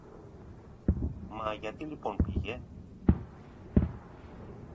Μα γιατί λοιπόν πήγε;